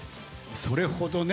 それほどね！